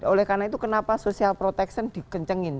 oleh karena itu kenapa social protection dikencengin